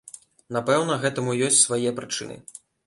Напэўна, гэтаму ёсць свае прычыны.